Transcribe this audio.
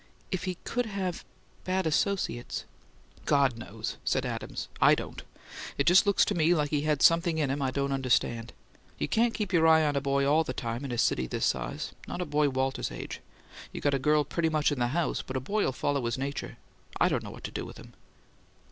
"If he COULD have bad associates." "God knows!" said Adams. "I don't! It just looks to me like he had something in him I don't understand. You can't keep your eye on a boy all the time in a city this size, not a boy Walter's age. You got a girl pretty much in the house, but a boy'll follow his nature. I don't know what to do with him!"